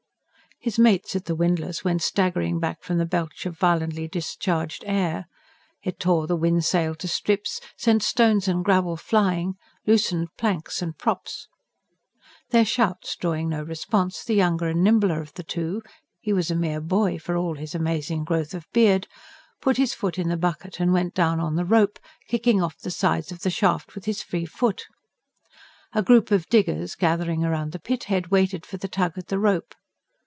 His mates at the windlass went staggering back from the belch of violently discharged air: it tore the wind sail to strips, sent stones and gravel flying, loosened planks and props. Their shouts drawing no response, the younger and nimbler of the two he was a mere boy, for all his amazing growth of beard put his foot in the bucket and went down on the rope, kicking off the sides of the shaft with his free foot. A group of diggers, gathering round the pit head, waited for the tug at the rope.